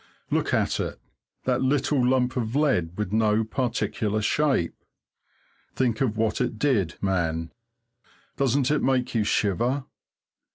Look at it! That little lump of lead with no particular shape. Think of what it did, man! Doesn't it make you shiver?